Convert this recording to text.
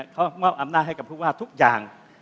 เขามอบอำนาจให้กับผู้ว่าทุกอย่าง